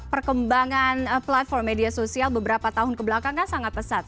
nah perkembangan platform media sosial beberapa tahun kebelakangan sangat pesat